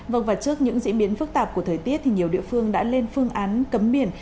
vọc vào trước những diễn biến phức tạp của thời tiết nhiều địa phương đã lên phương án cấm biển